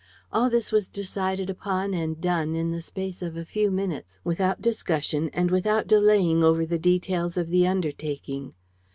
All this was decided upon and done in the space of a few minutes, without discussion and without delaying over the details of the undertaking.